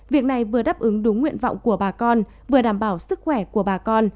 việc này vừa đáp ứng đúng nguyện vọng của bà con vừa đảm bảo sức khỏe của bà con